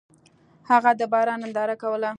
هغه د باران ننداره کوله.